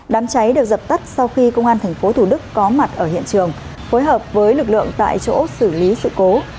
đám cháy được dập tắt sau khi công an tp thủ đức có mặt ở hiện trường phối hợp với lực lượng tại chỗ xử lý sự cố